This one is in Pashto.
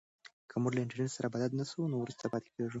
که موږ له انټرنیټ سره بلد نه سو نو وروسته پاتې کیږو.